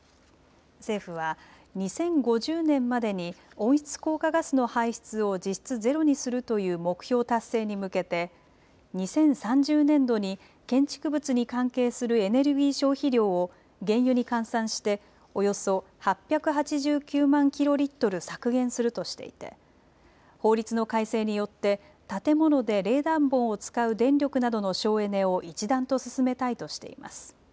政府は２０５０年までに温室効果ガスの排出を実質ゼロにするという目標達成に向けて２０３０年度に建築物に関係するエネルギー消費量を原油に換算しておよそ８８９万キロリットル削減するとしていて法律の改正によって建物で冷暖房を使う電力などの省エネを一段と進めたいとしています。